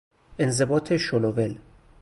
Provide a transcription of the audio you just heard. انضباط شل و ول